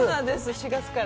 ４月から。